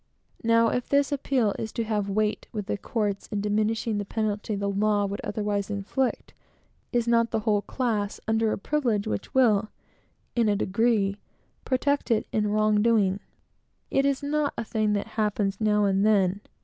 Now if this appeal is to have weight with courts in diminishing the penalty the law would otherwise inflict, is not the whole class under a privilege which will, in a degree, protect it in wrong doing? It is not a thing that happens now and then.